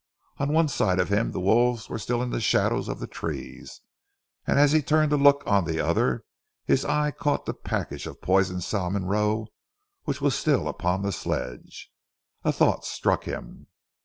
On one side of him the wolves were still in the shadows of the trees, and as he turned to look on the other, his eye caught the package of poisoned salmon roe, which was still upon the sledge. A thought struck him.